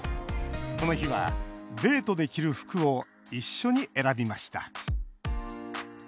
この日は、デートで着る服を一緒に選びました。